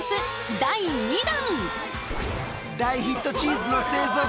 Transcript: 第２弾！